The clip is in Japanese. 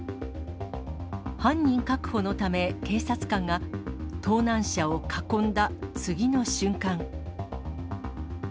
犯人確保のため、警察官が盗難車を囲んだ次の瞬間。